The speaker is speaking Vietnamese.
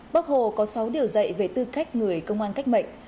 bác hồ có sáu điều dạy về tư cách người công an cách mệnh